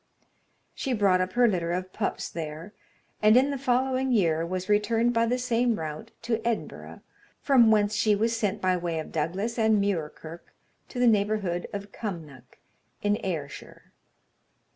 She brought up her litter of pups there, and in the following year was returned by the same route to Edinburgh, from whence she was sent by way of Douglas and Muirkirk to the neighbourhood of Cumnock, in Ayrshire.